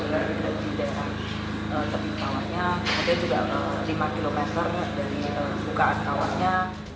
dengan di depan tepi kawannya kemudian juga lima km dari bukaan kawannya